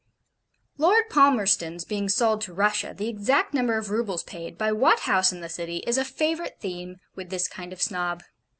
Lord Palmerston's being sold to Russia, the exact number of roubles paid, by what house in the City, is a favourite theme with this kind of Snob.